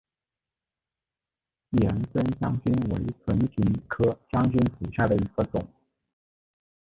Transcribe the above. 岩生香薷为唇形科香薷属下的一个种。